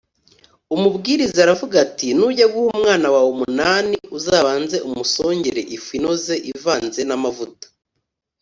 Umubwiriza aravuga ati nujya guha umwana wawe umunani uzabanze umusongere ifu inoze ivanze n amavuta